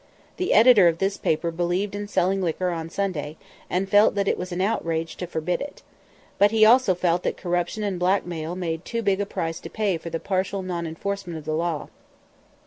The editor of this paper believed in selling liquor on Sunday, and felt that it was an outrage to forbid it. But he also felt that corruption and blackmail made too big a price to pay for the partial non enforcement of the law.